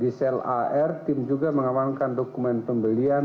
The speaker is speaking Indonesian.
di sel ar tim juga mengamankan dokumen pembelian